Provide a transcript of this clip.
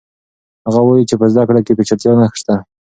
هغه وایي چې په زده کړه کې پیچلتیا نشته.